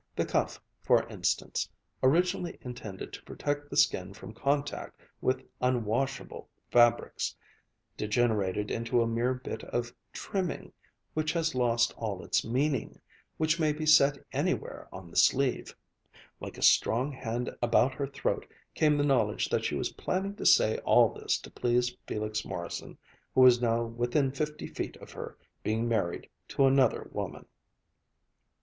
The cuff, for instance, originally intended to protect the skin from contact with unwashable fabrics, degenerated into a mere bit of "trimming," which has lost all its meaning, which may be set anywhere on the sleeve. Like a strong hand about her throat came the knowledge that she was planning to say all this to please Felix Morrison, who was now within fifty feet of her, being married to another woman.